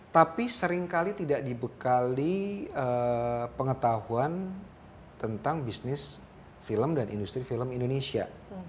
tapi seringkali tidak dibekali pengetahuan tentang bisnis film dan industri film indonesia